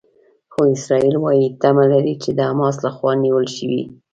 خو اسرائیل وايي تمه لري چې د حماس لخوا نیول شوي.